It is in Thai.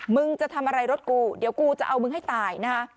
มึงจะทำอะไรรถกูเดี๋ยวกูจะเอามึงให้ตายนะฮะ